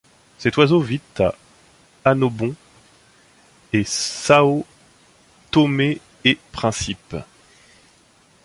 Cet oiseau vit à Annobón et Sao Tomé-et-Principe.